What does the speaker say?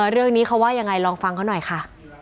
เรื่องนี้เขาว่ายังไงลองฟังเขาหน่อยค่ะ